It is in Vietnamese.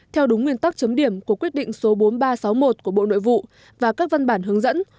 theo đúng nguyên tắc chấm điểm của quyết định số bốn nghìn ba trăm sáu mươi một của bộ nội vụ và các văn bản hướng dẫn